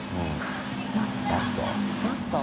マスター。